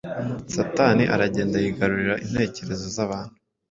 Satani aragenda yigarurira intekerezo z’abantu